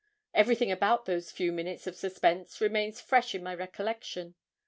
Everything about those few minutes of suspense remains fresh in my recollection.